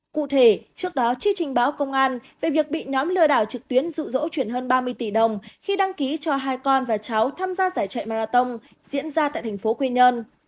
cụ thể trước đó chưa trình báo công an về việc bị nhóm lừa đảo trực tuyến dụ dỗ chuyển hơn ba mươi tỷ đồng khi đăng ký cho hai con và cháu tham gia giải chạy marathon diễn ra tại thành phố quy nhơn